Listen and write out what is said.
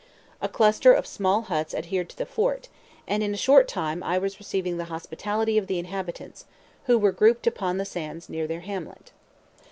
A cluster of small huts adhered to the fort, and in a short time I was receiving the hospitality of the inhabitants, who were grouped upon the sands near their hamlet.